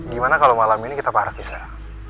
gimana kalo malam ini kita parah kisah